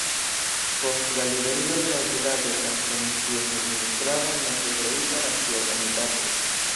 Post la liberigo de la vilaĝo transprenis ties administradon nove kreita nacia komitato.